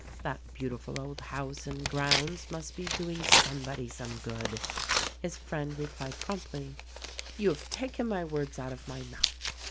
That beautiful old house and grounds must be doing somebody some good." His friend replied promptly, "You have taken my words out of my mouth.